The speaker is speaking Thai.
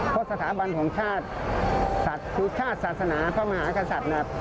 เพราะสถาบันของชาติคือชาติศาสนาพระมหากษัตริย์